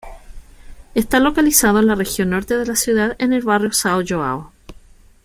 Está localizado en la región norte de la ciudad, en el barrio São João.